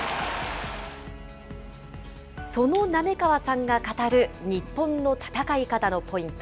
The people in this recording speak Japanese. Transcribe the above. その滑川さんが語る日本の戦い方のポイント。